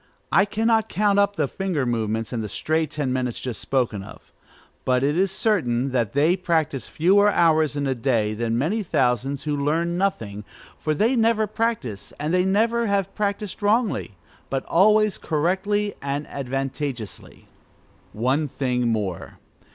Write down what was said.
I cannot count up the finger movements and the stray ten minutes just spoken of; but it is certain that they practise fewer hours in the day than many thousands who learn nothing, for they never practise and never have practised wrongly, but always correctly and advantageously. One thing more.